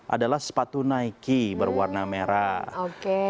adalah sepatu nike berwarna merah